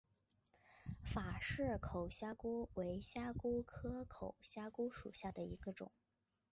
法氏口虾蛄为虾蛄科口虾蛄属下的一个种。